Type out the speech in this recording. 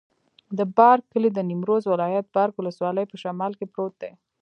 د بارک کلی د نیمروز ولایت، بارک ولسوالي په شمال کې پروت دی.